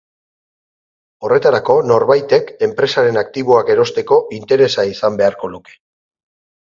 Horretarako norbaitek enpresaren aktiboak erosteko interesa izan beharko luke.